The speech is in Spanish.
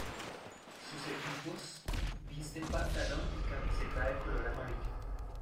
Sus equipos visten pantalón y camiseta de color amarillo.